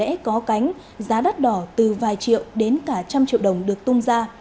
các gói tầm soát đột quỵ sẽ có cánh giá đắt đỏ từ vài triệu đến cả trăm triệu đồng được tung ra